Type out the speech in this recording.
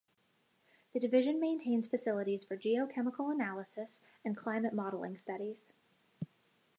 The division maintains facilities for geochemical analysis and climate modeling studies.